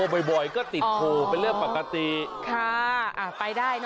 ไม่ติดอ่างแล้วติดโท๊ะแทน